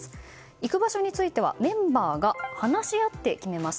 行く場所についてはメンバーが話し合って決めます。